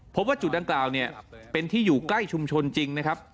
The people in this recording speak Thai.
พบว่าจุดดังกล่าวเนี่ยเป็นที่อยู่ใกล้ชุมชนจริงนะครับ